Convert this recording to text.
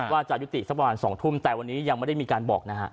ว่าจะยุติสักประมาณ๒ทุ่มแต่วันนี้ยังไม่ได้มีการบอกนะฮะ